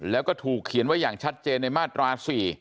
แล้วก็ถูกเขียนไว้อย่างชัดเจนในมาตรา๔